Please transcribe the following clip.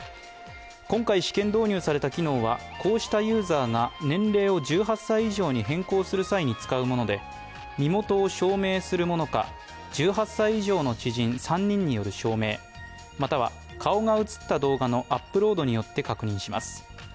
今回、試験導入された機能は、こうしたユーザーが年齢を１８歳以上に変更する際に使うもので身元を証明するものか、１８歳以上の知人３人による証明または顔が映った動画のアップロードによって確認します。